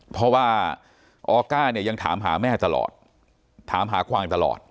เพราะว่าออก้าเนี่ยยังถามหาแม่ตลอดถามหากวางตลอด